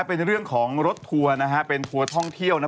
เป็นเรื่องของรถทัวร์นะฮะเป็นทัวร์ท่องเที่ยวนะ